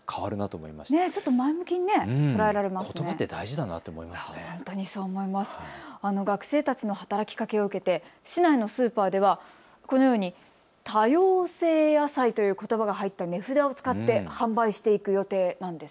この学生たちの働きかけを受けて市内のスーパーではこのように、多様性野菜ということばが入った値札を使って販売していく予定なんです。